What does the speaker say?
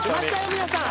皆さん！